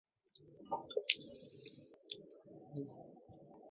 初期的市场调查显示部份家长并不喜欢玩偶明显的胸部。